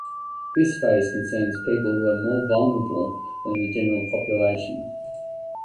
This phase concerns people who are more vulnerable than the general population.